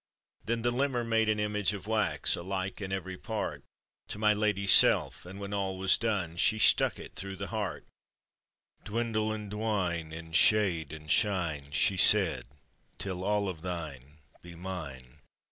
Then the limmer made an image of wax, Alike in every part To my lady's self, and when all was done, She stuck it through the heart: " Dwindle and dwine in shade and shine," She said, "till all of thine be mine."